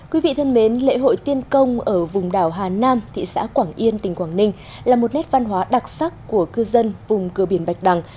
quý vị thân mến lễ hội tiên công ở vùng đảo hà nam thị xã quảng yên tỉnh quảng ninh là một nét văn hóa đặc sắc của cư dân vùng cửa biển bạch đằng